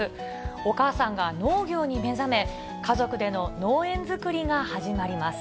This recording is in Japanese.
お母さんが農業に目覚め、家族での農園作りが始まります。